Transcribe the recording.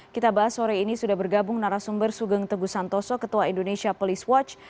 kita bahas sore ini sudah bergabung narasumber sugeng teguh santoso ketua indonesia police watch